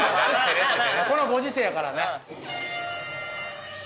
このご時世やからね。